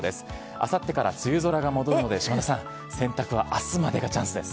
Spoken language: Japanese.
あさってから梅雨空が戻るので、島田さん、洗濯はあすまでがチャンスです。